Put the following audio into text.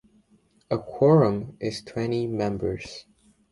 A quorum is twenty members.